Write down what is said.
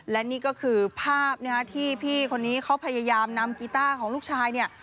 และนี่ก็คือภาพที่พี่คนนี้เขาพยายามนำกีต้าของลูกชายเนี่ย